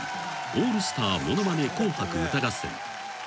オールスターものまね紅白歌合戦』］